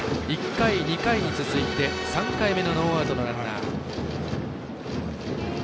１回、２回に続いて３回目のノーアウトのランナー。